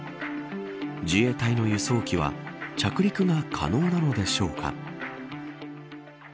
自衛隊の輸送機は着陸が可能なのでしょうか。